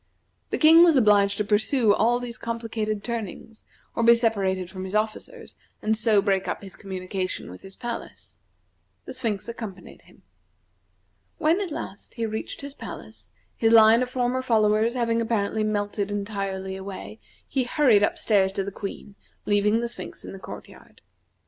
The King was obliged to pursue all these complicated turnings, or be separated from his officers, and so break up his communication with his palace. The Sphinx accompanied him. When at last, he reached his palace, his line of former followers having apparently melted entirely away, he hurried up stairs to the Queen, leaving the Sphinx in the court yard.